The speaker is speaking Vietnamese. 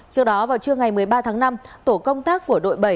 trước đó vào trưa ngày một mươi ba tháng năm tổ công tác của đội bảy